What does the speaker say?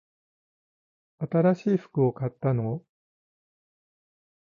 新しい服を買ったの？